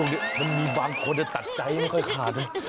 มีบางคนเลยตัดใจยังไม่ค่อยขาดเลย